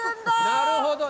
なるほど。